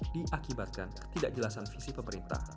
diakibatkan ketidakjelasan visi pemerintah